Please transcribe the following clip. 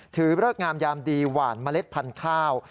เริกงามยามดีหวานเมล็ดพันธุ์ข้าว